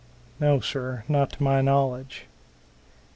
"No, sir, not to my knowledge."